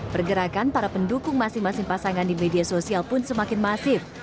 pergerakan para pendukung masing masing pasangan di media sosial pun semakin masif